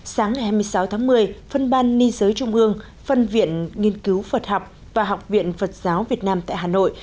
sáng ngày hai mươi sáu tháng một mươi phân ban ni giới trung ương phân viện nghiên cứu phật học và học viện phật giáo việt nam tại hà nội